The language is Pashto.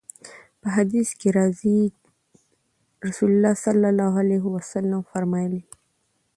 په حديث کي راځي: رسول الله صلی الله عليه وسلم فرمايلي: